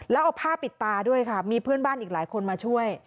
แล้วเอาผ้าปิดตาด้วยค่ะมีเพื่อนบ้านอีกหลายคนมาช่วย